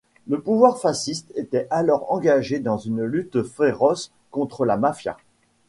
Le pouvoir fasciste était alors engagé dans une lutte féroce contre la mafia.